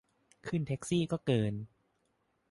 ขึ้นแท็กซี่ก็เกิน